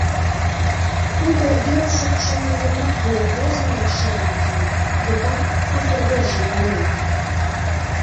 Тудо йӧрлшӧ пушеҥге йымак пурен возын да шӧрын киен, векат, сусыр вержым нулен.